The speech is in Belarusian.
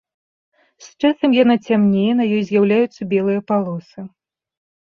З часам яна цямнее, на ёй з'яўляюцца белыя палосы.